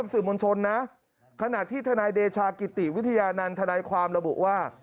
สื่อมวลชนนะขณะที่ทนายเดชากิติวิทยานันทนายความระบุว่า